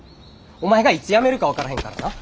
お前がいつやめるか分からへんからな。